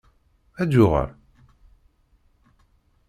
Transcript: Ad d-yuɣal?